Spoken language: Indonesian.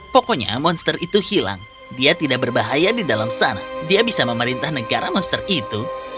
pokoknya monster itu hilang dia tidak berbahaya di dalam sana dia bisa memerintah negara monster itu